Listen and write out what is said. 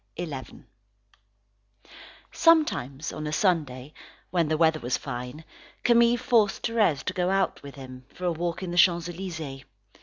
CHAPTER XI Sometimes on a Sunday, when the weather was fine, Camille forced Thérèse to go out with him, for a walk in the Champs Elysees.